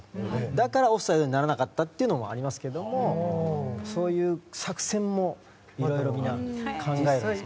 だからオフサイドにならなかったというのもありますがそういう作戦もいろいろみんな考えるんです。